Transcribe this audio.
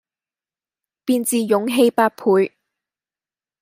便自勇氣百倍，